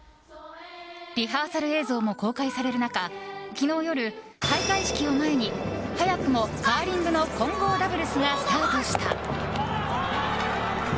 リハーサル映像も公開される中昨日夜開会式を前に早くもカーリングの混合ダブルスがスタートした。